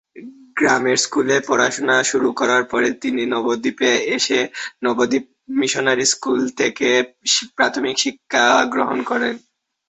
গ্রামের স্কুলে পড়াশোনা শুরু করার পরে তিনি নবদ্বীপে এসে "নবদ্বীপ মিশনারি স্কুল" থেকে প্রাথমিক শিক্ষাগ্রহণ করেন।